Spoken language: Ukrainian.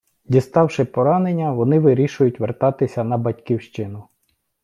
Діставши поранення, вони вирішують вертатися на батьківщину.